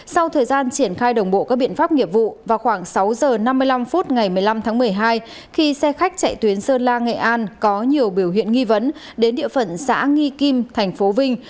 sau thời gian triển khai đồng bộ các biện pháp nghiệp vụ vào khoảng sáu giờ năm mươi năm phút ngày một mươi năm tháng một mươi hai khi xe khách chạy tuyến sơn la nghệ an có nhiều biểu hiện nghi vấn đến địa phận xã nghi kim thành phố vinh